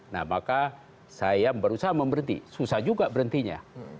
nah maka saya berusaha memberhenti susah juga berhentinya